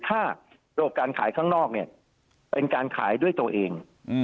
ถ้าระบบการขายข้างนอกเนี่ยเป็นการขายด้วยตัวเอง